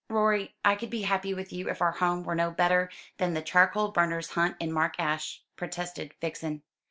"Rorie, I could be happy with you if our home were no better than the charcoal burner's hut in Mark Ash," protested Vixen.